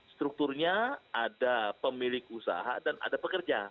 strukturnya ada pemilik usaha dan ada pekerja